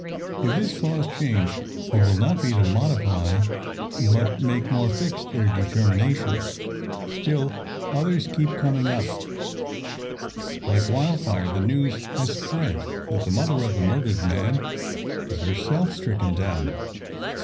If this cause change, it will not be to modify, but make more fixed their determination. Still others keep coming up. Like wildfire the news has spread that the mother of the murdered man is herself stricken down.